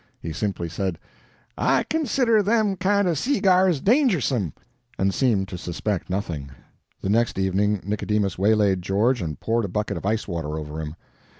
He simply said: "I consider them kind of seeg'yars dangersome," and seemed to suspect nothing. The next evening Nicodemus waylaid George and poured a bucket of ice water over him.